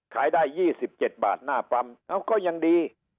ขายได้ยี่สิบเจ็ดบาทหน้าปั๊มแล้วก็ยังดี